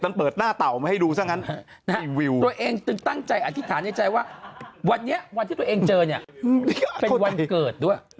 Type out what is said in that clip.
มันเปิดหน้าเต่ามาให้ดูซะงั้นตัวเองจึงตั้งใจอธิษฐานในใจว่าวันนี้วันที่ตัวเองเจอเนี่ยเป็นวันเกิดด้วย